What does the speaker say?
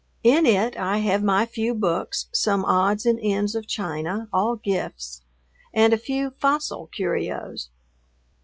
In it I have my few books, some odds and ends of china, all gifts, and a few fossil curios.